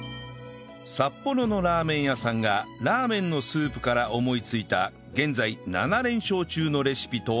札幌のラーメン屋さんがラーメンのスープから思いついた現在７連勝中のレシピとは？